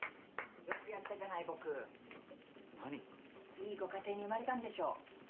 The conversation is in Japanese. いいご家庭に生まれたんでしょう。